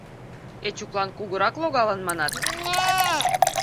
Эчуклан Кугырак логалын, манат?